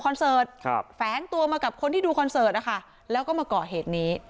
เสิร์ตครับแฝงตัวมากับคนที่ดูคอนเสิร์ตนะคะแล้วก็มาก่อเหตุนี้